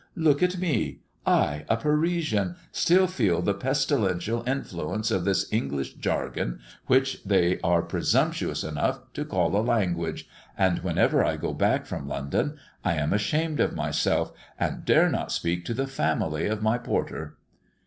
Look at me! I, a Parisian, still feel the pestilential influence of this English jargon, which they are presumptuous enough to call a language, and whenever I go back from London I am ashamed of myself, and dare not speak to the family of my porter."